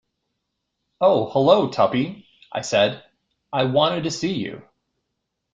"Oh, hullo, Tuppy," I said, "I wanted to see you."